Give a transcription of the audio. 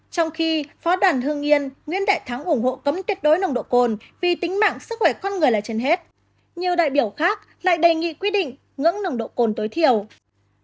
trong khi phó đoàn hương yên nguyên đại thắng ủng hộ cấm tuyệt đối nông độ côn vì tính mạng sức khỏe con người là trên hết nhiều đại biểu khác lại đề nghị quy định ngưỡng nông độ côn tối thiểu